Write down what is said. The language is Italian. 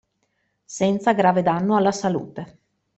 Senza grave danno alla salute.